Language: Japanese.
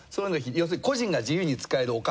要するに個人が自由に使えるお金。